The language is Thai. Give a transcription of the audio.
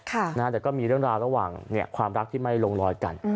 แต่ก็มีเรื่องราวระหว่างความรักที่ไม่ลงรอยกัน